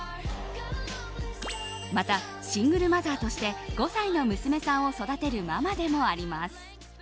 また、シングルマザーとして５歳の娘さんを育てるママでもあります。